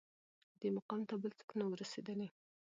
دې مقام ته بل څوک نه وه رسېدلي